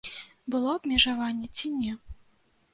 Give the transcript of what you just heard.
Было абмежаванне ці не.